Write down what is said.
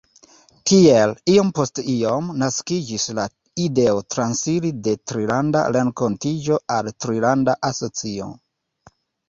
Tiel, iom post iom, naskiĝis la ideo transiri de Trilanda Renkontiĝo al trilanda asocio.